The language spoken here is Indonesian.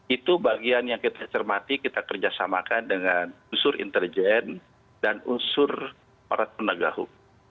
itu bagian yang kita cermati kita kerjasamakan dengan unsur intelijen dan unsur para penegak hukum